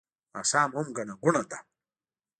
ماښام هم ګڼه ګوڼه ده